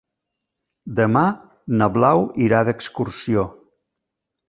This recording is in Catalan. Demà na Blau irà d'excursió.